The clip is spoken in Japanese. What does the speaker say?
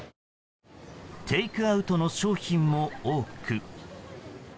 テイクアウトの商品も多く。